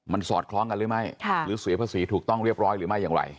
มันสอดคล้องกันหรือไม่หรือเสียภาษีถูกต้องเรียบร้อยหรือไม่อย่างไร